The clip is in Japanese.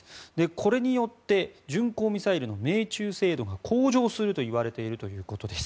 これによって巡航ミサイルの命中精度が向上するといわれているということです。